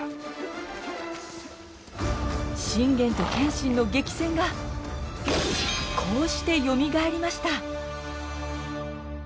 信玄と謙信の激戦がこうしてよみがえりました。